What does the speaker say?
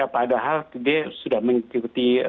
padahal dia sudah mengikuti